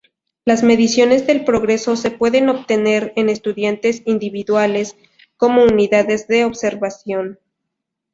Las mediciones del progreso se pueden obtener en estudiantes individuales, como unidades de observación.